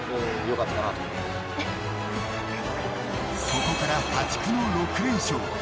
そこから破竹の６連勝。